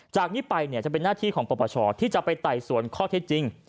จากนี้ไปเนี่ยจะเป็นหน้าที่ของปปชที่จะไปไต่สวนข้อเท็จจริง